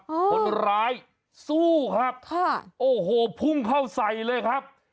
คนร้ายสู้ครับค่ะโอ้โหพุ่งเข้าใส่เลยครับ